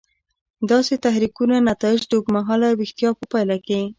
داسې تحریکونو نتایج د اوږد مهاله ویښتیا په پایله کې.